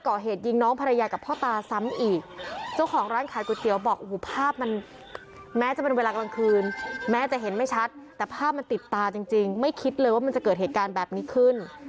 เจ้าของร้านขายก๋วยเตี๋ยวบอกภาพมันแม้จะเป็นเวลากลางคืนแม้จะเห็นไม่ชัดแต่ภาพมันติดตาจริงไม่คิดเลยว่ามันจะเกิดเหตุการณ์แบบนี้ขึ้น